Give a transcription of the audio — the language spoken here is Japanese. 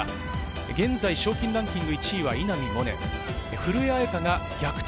現在賞金ランキング１位は稲見萌寧、古江彩佳が逆転